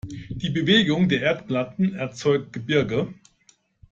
Die Bewegung der Erdplatten erzeugt Gebirge.